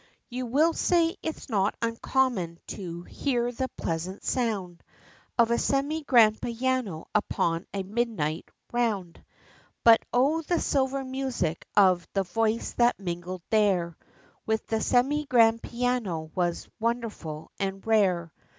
You will say it's not uncommon to hear the pleasant sound, Of a semi grand piano upon a midnight round, But O the silver music, of the voice that mingled there, With the semi grand piano, was wonderful, and rare!